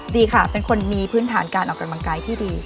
ดีค่ะเป็นคนมีพื้นฐานการออกกำลังกายที่ดี